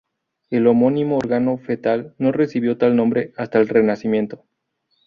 El homónimo órgano fetal no recibió tal nombre hasta el Renacimiento.